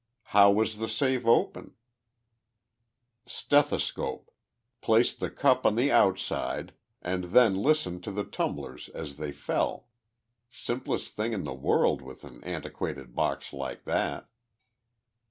How was the safe opened?" "Stethoscope. Placed the cup on the outside, and then listened to the tumblers as they fell. Simplest thing in the world with an antiquated box like that."